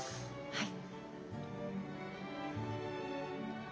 はい。